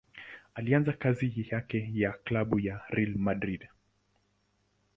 Alianza kazi yake na klabu ya Real Madrid.